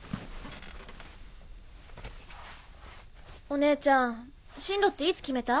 お姉ちゃん進路っていつ決めた？